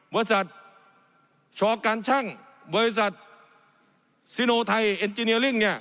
บริษัทชอการช่างบริษัทซิโนไทเอ็นจิเนียริ่ง